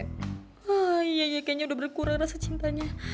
wah iya kayaknya udah berkurang rasa cintanya